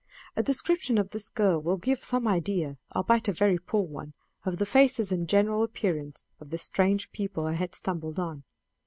A description of this girl will give some idea, albeit a very poor one, of the faces and general appearance of this strange people I had stumbled on.